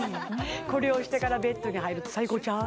これをしてからベッドに入ると最高ちゃう？